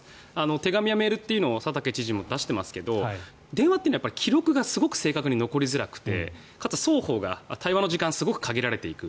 手紙やメールというのを佐竹知事は出していますけど電話というのは記録がすごく正確に残りづらくてかつ双方が対話の時間がすごく限られていく。